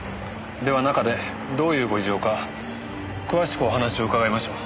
では中でどういうご事情か詳しくお話を伺いましょう。